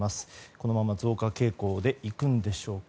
このまま増加傾向でいくんでしょうか。